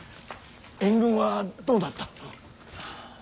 援軍はどうなった。